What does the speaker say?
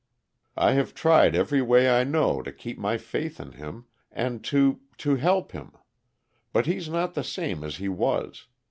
I have tried every way I know to keep my faith in him, and to to help him. But he's not the same as he was.